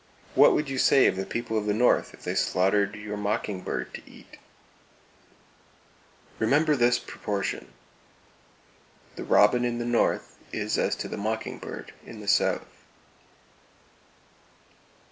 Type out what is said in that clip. What would you say of the people of the North if they slaughtered your mockingbird to eat! Remember this proportion: The Robin : The North :: The Mockingbird : The South.